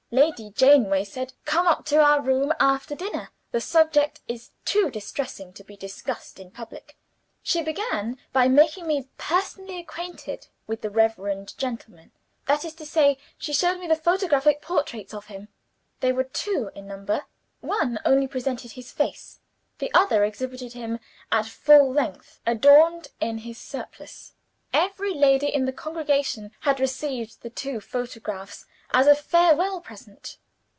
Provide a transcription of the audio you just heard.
Lady Janeaway said: 'Come up to our room after dinner. The subject is too distressing to be discussed in public.' "She began by making me personally acquainted with the reverend gentleman that is to say, she showed me the photographic portraits of him. They were two in number. One only presented his face. The other exhibited him at full length, adorned in his surplice. Every lady in the congregation had received the two photographs as a farewell present.